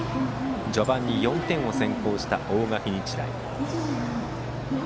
序盤に４点を先行した大垣日大。